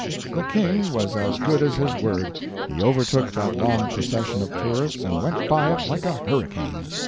The "king" was as good as his word he overtook that long procession of tourists and went by it like a hurricane.